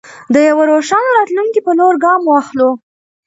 د یوه روښانه راتلونکي په لور ګام واخلو.